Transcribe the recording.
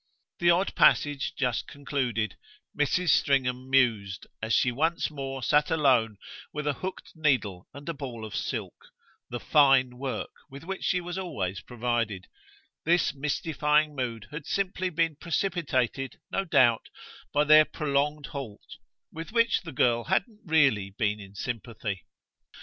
The odd passage just concluded, Mrs. Stringham mused as she once more sat alone with a hooked needle and a ball of silk, the "fine" work with which she was always provided this mystifying mood had simply been precipitated, no doubt, by their prolonged halt, with which the girl hadn't really been in sympathy.